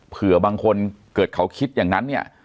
เผื่อบางคนเกิดเขาคิดอย่างนั้นเนี่ย